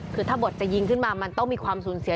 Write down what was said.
คือถ้าบทจะยิงขึ้นมามันต้องมีความสูญเสีย